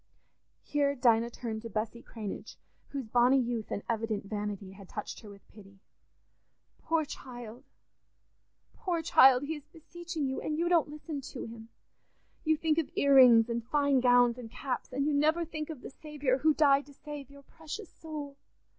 Here Dinah turned to Bessy Cranage, whose bonny youth and evident vanity had touched her with pity. "Poor child! Poor child! He is beseeching you, and you don't listen to him. You think of ear rings and fine gowns and caps, and you never think of the Saviour who died to save your precious soul.